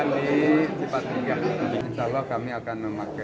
untuk kabupaten tasik malaya insya allah akan dilaksanakan di cipatujah